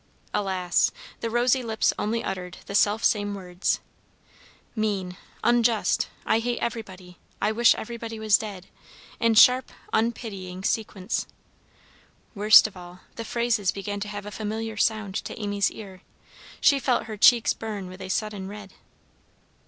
Alas! the rosy lips only uttered the self same words. "Mean unjust I hate everybody I wish everybody was dead," in sharp, unpitying sequence. Worst of all, the phrases began to have a familiar sound to Amy's ear. She felt her cheeks burn with a sudden red.